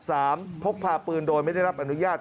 พกพาปืนโดยไม่ได้รับอนุญาต